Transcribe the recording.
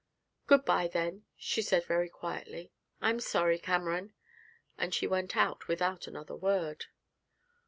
'Good bye, then,' she said very quietly; 'I'm sorry, Cameron.' And she went out without another word.